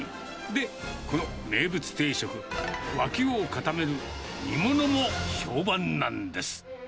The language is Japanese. で、この名物定食、脇を固める煮物も評判なんです。